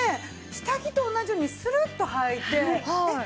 下着と同じようにスルッとはいてえっ